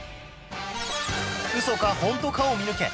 ウソかホントかを見抜け！